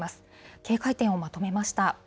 警戒点をまとめました。